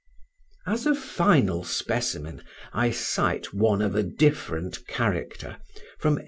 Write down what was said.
As a final specimen, I cite one of a different character, from 1820.